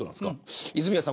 泉谷さん